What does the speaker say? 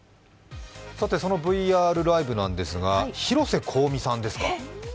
そのＶＲライブなんですが、広瀬香美さんですか。